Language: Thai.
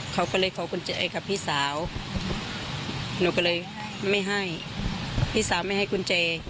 เขาก็เลยขอกุญแจกับพี่สาวหนูก็เลยไม่ให้พี่สาวไม่ให้กุญแจ